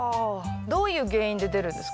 どういう原因で出るんですか？